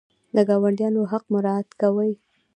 د ګاونډیانو حق مراعات کوئ؟